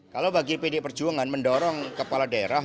kalau bagi pd perjuangan mendorong kepala daerah